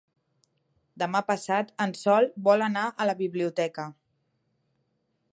Demà passat en Sol vol anar a la biblioteca.